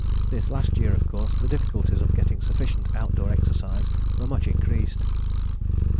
This last year, of course, the difficulties of getting sufficient outdoor exercise were much increased.